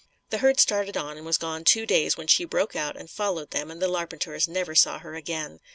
The herd started on and was gone two days when she broke out and followed them and the Larpenteurs never saw her again.